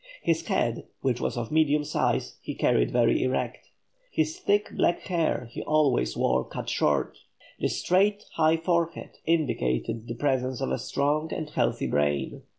His head, which was of medium size, he carried very erect. His thick black hair he always wore cut short; the straight high forehead indicated the presence of a strong and healthy brain.